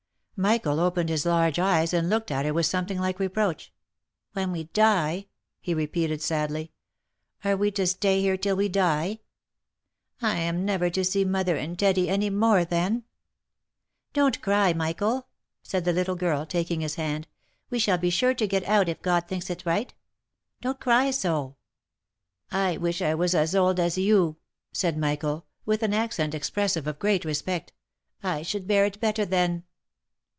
Michael opened his large eyes and looked at her with something like reproach. "When we die?" he repeated sadly. "Are we to stay here till we die? — I am never to see mother and Teddy any more then?" " Don't cry, Michael !" said the little girl, taking his hand —" We shall be sure to get out if God thinks it right. Don't cry so !"" I wish I was as old as you," said Michael, with an accent expres sive of great respect. " I should bear it better then."